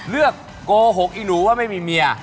โกหกอีหนูว่าไม่มีเมีย